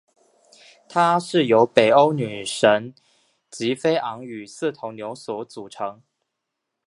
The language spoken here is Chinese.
它是由北欧女神吉菲昂与四头牛所组成。